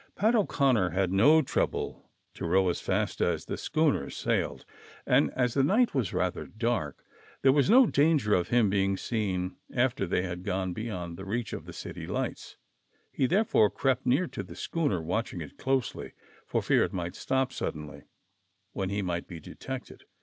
Pat O'Conner had no trouble to roAV as fast as the schooner sailed, and as the night was rather dark, there was no danger of him being seen after they had gone be yond the reach of the city lights ; he therefore crept near to the schooner, w\atching it closely, for fear it might stop suddenly, when he might be detected.